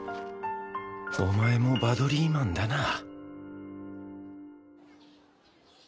お前もバドリーマンだな。